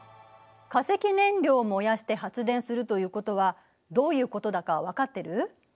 化石燃料を燃やして発電するということはどういうことだか分かってる？